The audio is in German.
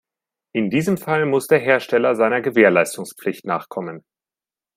In diesem Fall muss der Hersteller seiner Gewährleistungspflicht nachkommen.